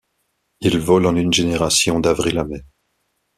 Il vole en une génération, d'avril à mai.